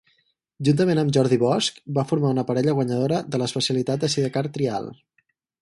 Juntament amb Jordi Bosch, va formar una parella guanyadora de l'especialitat de Sidecar Trial.